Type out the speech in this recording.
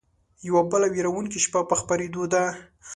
يوه بله وېرونکې شپه په خپرېدو ده